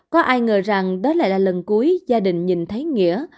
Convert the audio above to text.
có ai ngờ rằng đó lại là lần cuối gia đình nhìn thấy nghĩa